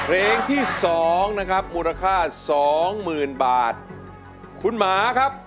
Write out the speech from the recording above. ร้องได้ร้องได้ร้องได้ร้องได้ร้องได้